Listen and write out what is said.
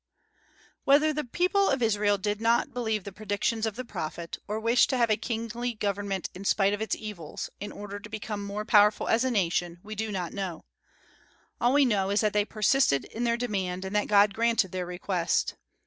Whether the people of Israel did not believe the predictions of the prophet, or wished to have a kingly government in spite of its evils, in order to become more powerful as a nation, we do not know. All that we know is that they persisted in their demand, and that God granted their request.